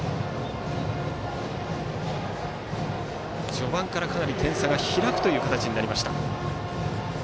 序盤からかなり点差が開く形になりました。